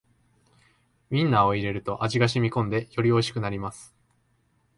ウインナーを入れると味がしみこんでよりおいしくなります